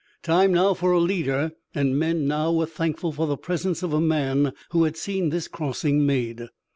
Time now for a leader, and men now were thankful for the presence of a man who had seen this crossing made.